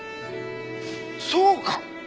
そうか！